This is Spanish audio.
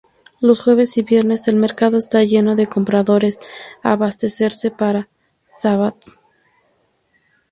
Los jueves y viernes, el mercado está lleno de compradores abastecerse para Shabat.